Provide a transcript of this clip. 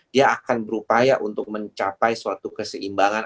dia akan berupaya untuk mencapai suatu keseimbangan